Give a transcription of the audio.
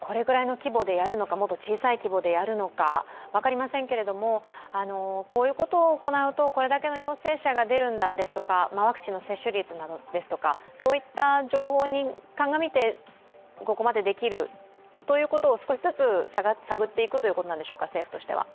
これぐらいの規模でやるのかもっと小さい規模でやるのか分かりませんけれどもこういうことを行うとこれだけの陽性者が出るとかワクチンの接種率ですとか、そういった情報に鑑みてここまでできるということを少しずつ探っていくということなんでしょうか、政府としては。